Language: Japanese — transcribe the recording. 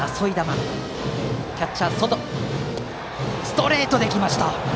ストレートで来ました。